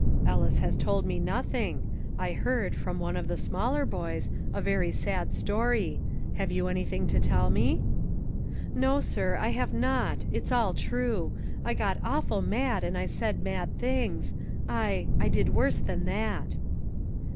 "Ellis has told me nothing. I heard, from one of the smaller boys, a very sad story. Have you anything to tell me?" "No, sir, I have not; it's all true. I got awful mad, and I said mad things. I I did worse than that."